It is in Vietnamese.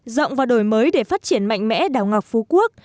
rộng và đổi mới để phát triển mạnh mẽ đảo ngọc phú quốc